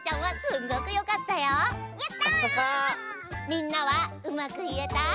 みんなはうまくいえた？